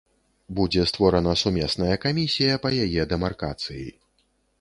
Будзе створана сумесная камісія па яе дэмаркацыі.